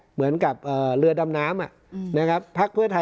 เหมือนกับเออเรือดำน้ำอ่ะอืมนะครับพระเพื่อไทย